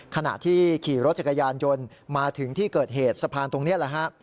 ขณะที่ขี่รถจักรยานยนต์มาถึงที่เกิดเหตุสะพานตรงนี้แหละฮะ